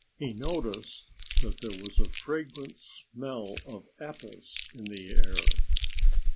He noticed that there was a fragrant smell of apples in the air.